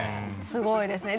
すごいですね。